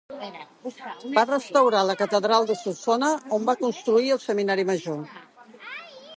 Va restaurar la Catedral de Solsona, on va construir el seminari major.